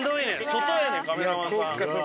外やねんカメラマンさん。